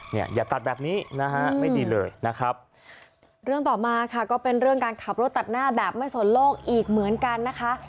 อย่าตัดแบบนี้นะฮะไม่ดีเลยนะครับเรื่องต่อมาค่ะก็เป็นเรื่องการขับรถตัดหน้าแบบไม่สนโลกอีกเหมือนกันนะคะ